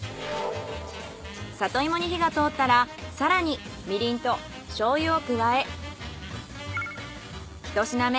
里芋に火が通ったら更にみりんと醤油を加え一品目